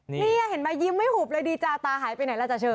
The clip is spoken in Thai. นี่เห็นไหมยิ้มไม่หุบเลยดีจาตาหายไปไหนล่ะจ้เชอ